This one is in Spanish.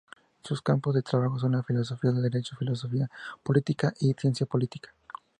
Sus campos de trabajo son la Filosofía del Derecho, Filosofía Política y Ciencia Política.